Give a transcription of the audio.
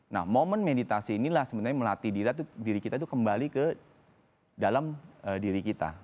nah momen meditasi inilah sebenarnya melatih diri kita itu kembali ke dalam diri kita